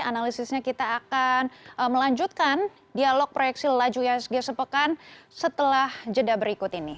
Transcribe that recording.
analisisnya kita akan melanjutkan dialog proyeksi laju ihsg sepekan setelah jeda berikut ini